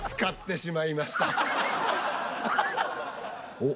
おっ。